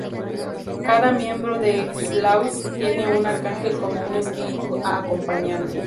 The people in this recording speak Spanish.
Cada miembro de X-Laws tiene un Arcángel como un espíritu acompañante.